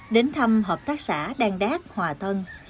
đến thăm hợp tác xã đan đác hòa thân